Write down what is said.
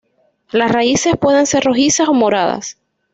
Las raíces pueden ser rojizas o moradas.